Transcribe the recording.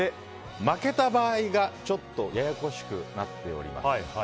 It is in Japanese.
負けた場合がちょっとややこしくなっております。